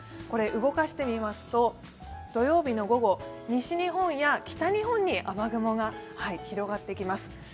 動かしてみますと、土曜日の午後、西日本や北日本に雨雲が広がってきます。